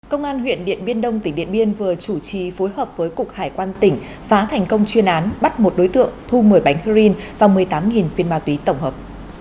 công an huyện điện biên đông tỉnh điện biên vừa chủ trì phối hợp với cục hải quan tỉnh phá thành công chuyên án bắt một đối tượng thu một mươi bánh heroin và một mươi tám viên ma túy tổng hợp